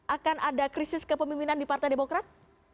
akan ada krisis kepemimpinan di partai demokrat